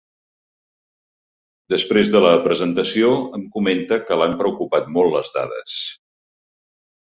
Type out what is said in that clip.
Després de la presentació, em comenta que l’han preocupat molt les dades.